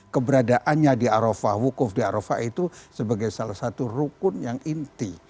keberadaannya di arafah wukuf di arafah itu sebagai salah satu rukun yang inti